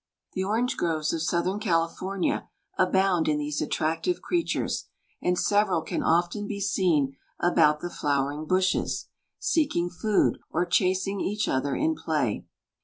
The orange groves of southern California abound in these attractive creatures, and several can often be seen about the flowering bushes, seeking food or chasing each other in play.